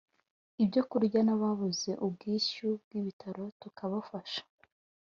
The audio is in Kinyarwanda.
ibyo kurya n’ababuze ubwishyu bw’ibitaro tukabafasha